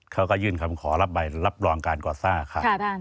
เขาก็ยื่นคำขอรับรองการก่อสร้างอาคาร